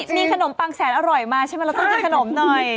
มีขนมปังแสนอร่อยมาใช่มะแล้วก็เคยดื่มขนมหน่อย